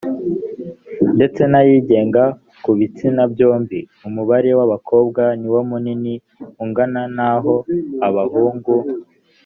ndetse n ayigenga ku bitsina byombi umubare w abakobwa ni wo munini ungana na naho abahungu